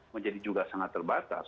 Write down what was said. menjadi juga sangat terbatas